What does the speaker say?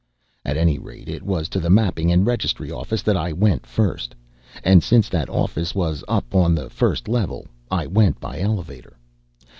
At any rate, it was to the Mapping & Registry Office that I went first. And, since that office was up on the first level, I went by elevator.